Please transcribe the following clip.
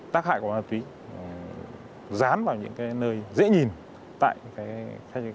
tác hại của ma túy dán vào những nơi dễ nhìn tại các cơ sở kinh doanh